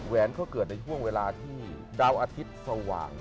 แวนก็เกิดในช่วงเวลาที่ดาวอาทิตย์สว่าง